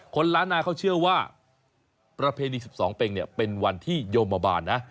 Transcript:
ล้านนาเขาเชื่อว่าประเพณี๑๒เป็งเนี่ยเป็นวันที่โยมบาลนะ